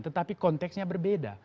tetapi konteksnya berbeda